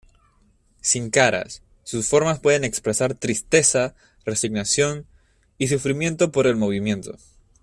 Sin caras, sus formas pueden expresar tristeza, resignación y sufrimiento por el movimiento.